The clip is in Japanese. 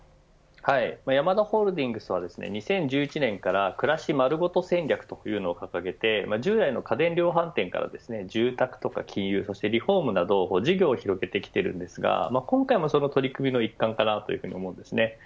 ヤマダホールディングスは２０１１年から暮らしまるごと戦略というのを掲げて、従来の家電量販店から住宅とか金融そしてリフォームなどに事業を広げてきているんですが今回もその取り組みの一環かなと思います。